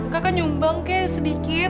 kakak nyumbang kayaknya sedikit